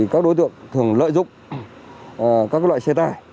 các đối tượng thường lợi dụng các loại xe tải